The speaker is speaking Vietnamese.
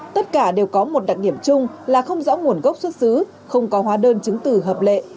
tất cả đều có một đặc điểm chung là không rõ nguồn gốc xuất xứ không có hóa đơn chứng tử hợp lệ